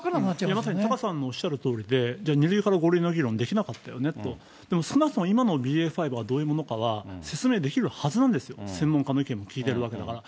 まさにタカさんのおっしゃるとおりで、じゃあ２類から５類の議論できなかったよねと、でも少なくとも今のＢＡ．５はどういうものかは、説明できるはずなんですよ、専門家の意見も聞いてるわけだから。